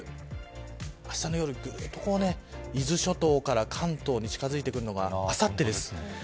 あしたの夜、伊豆諸島から関東に近づいてくるのがあさってです。